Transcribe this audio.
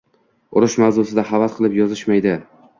Urush mavzusida havas qilib yozishmaydi